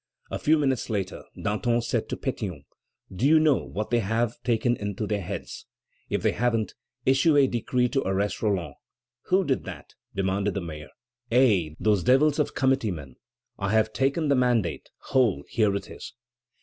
A few minutes later, Danton said to Pétion: "Do you know what they have taken into their heads? If they haven't issued a decree to arrest Roland!" "Who did that?" demanded the mayor. "Eh! those devils of committeemen. I have taken the mandate; hold! here it is!"